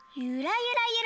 ゆらゆら。